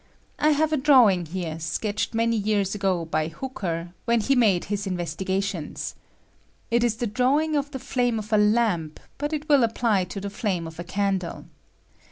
I have a ■drawing here, sketched many years ago by Hooker, when he made his investigations. It is the drawing of the flame of a lamp, but it win apply to the flame of a candle.